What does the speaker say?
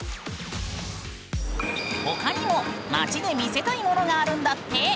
他にも街で見せたいものがあるんだって！